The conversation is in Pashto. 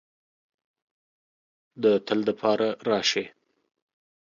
د تل د پاره راشې